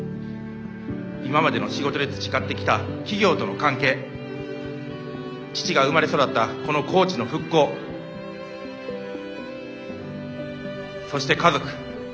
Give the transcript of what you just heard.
今までの仕事で培ってきた企業との関係父が生まれ育ったこの高知の復興そして家族。